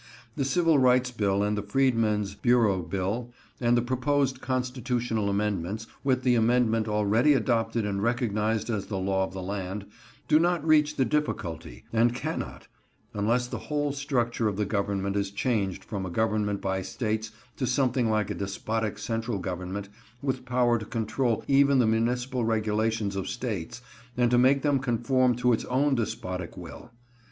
The Civil Rights Bill and the Freedmen's Bureau Bill and the proposed constitutional amendments, with the amendment already adopted and recognized as the law of the land, do not reach the difficulty, and cannot, unless the whole structure of the government is changed from a government by States to something like a despotic central government, with power to control even the municipal regulations of States, and to make them conform to its own despotic will.